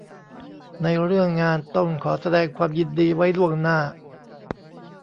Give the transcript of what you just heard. ในเรื่องงานต้องขอแสดงความยินดีไว้ล่วงหน้า